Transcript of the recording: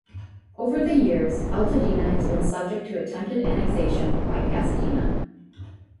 Over the years Altadena has been subject to attempted annexation by Pasadena.